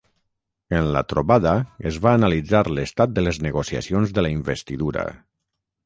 En la trobada es va analitzar l’estat de les negociacions de la investidura.